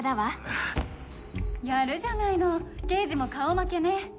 「やるじゃないの刑事も顔負けね」